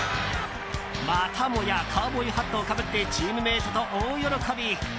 またもやカウボーイハットをかぶってチームメートと大喜び。